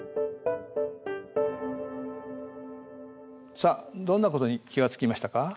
さあどんなことに気が付きましたか？